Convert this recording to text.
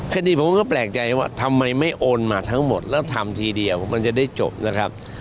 คดีผมก็แปลกใจว่าทำไมไม่โอนมาทั้งหมดแล้วทำทีเดียวมันจะได้จบนะครับ